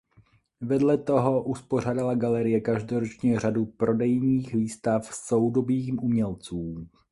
Vedle toho uspořádala galerie každoročně řadu prodejních výstav soudobých umělců.